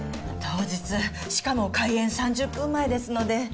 当日しかも開宴３０分前ですので。